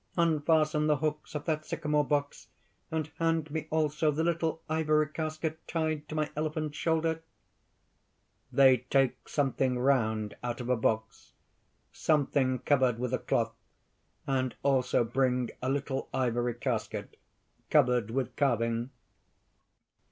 Unfasten the hooks of that sycamore box, and hand me also the little ivory casket tied to my elephant's shoulder." (_They take something round out of a box something covered with a cloth and also bring a little ivory casket covered with carving.